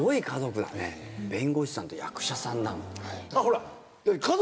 弁護士さんと役者さんなんだ。